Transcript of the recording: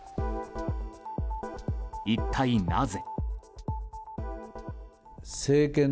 一体なぜ。